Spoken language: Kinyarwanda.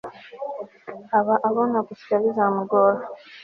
aba abona gusya bizamugora